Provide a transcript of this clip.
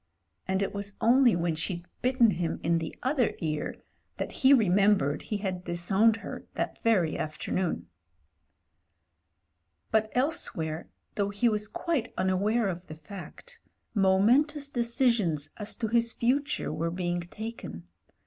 And it was only when she'd bitten him in the other ear that he remembered he had disowned her that very afternoon. 220 MEN, WOMEN AND GUNS But elsewhere, though he was quite unaware of the fact, momentous decisions as to his future were being taken.